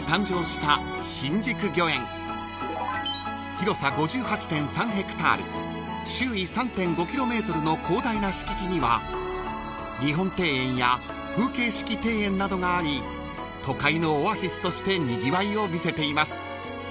［広さ５８．３ｈａ周囲３．５ｋｍの広大な敷地には日本庭園や風景式庭園などがあり都会のオアシスとしてにぎわいを見せています］